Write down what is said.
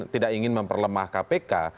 tidak ingin memperlemah kpk